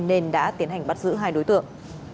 nên đã tiến hành bắt giữ hai đối tượng